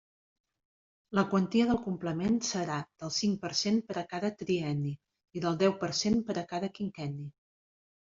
La quantia del complement serà del cinc per cent per cada trienni i del deu per cent per a cada quinquenni.